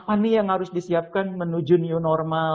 apa nih yang harus disiapkan menuju new normal